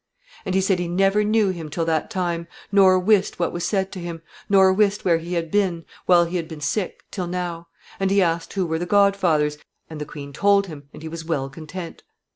"And he said he never knew him till that time, nor wist what was said to him, nor wist where he had been, while he had been sick, till now; and he asked who were the godfathers, and the queen told him, and he was well content.